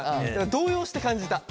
動揺して感じた。